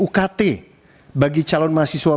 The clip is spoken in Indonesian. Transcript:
ukt bagi calon mahasiswa